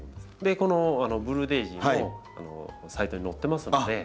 このブルーデージーもサイトに載ってますので。